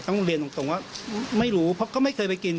เรียนตรงว่าไม่รู้เพราะก็ไม่เคยไปกิน